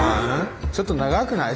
ちょっと長くない？